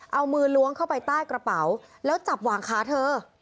เอามือล้วงเข้าไปใต้กระเป๋าแล้วจับหว่างขาเธอ